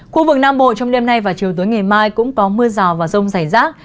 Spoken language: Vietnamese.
khu vực nam bộ trong đêm nay và chiều tối ngày mai cũng có mưa rào và rông dày rác